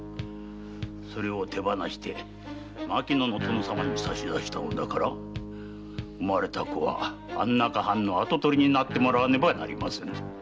それを手放して牧野の殿様に差し出したのだから生まれた子は安中藩の跡取りになってもらわねばなりません。